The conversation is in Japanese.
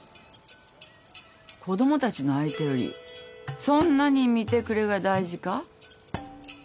子供たちの相手よりそんなに見てくれが大事か？